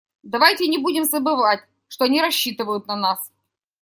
Давайте не будем забывать, что они рассчитывают на нас.